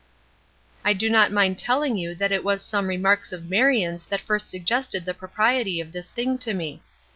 "I do not mind telling you that it was some remarks of Marion's that first suggested the propriety of this thing to me.